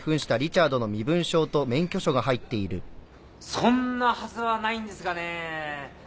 そんなはずはないんですがねぇ